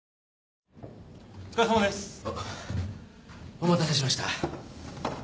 お待たせしました。